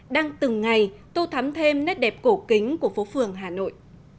đang từng ngày tô thắm thêm nét đẹp cổ kính của phố phường hà nội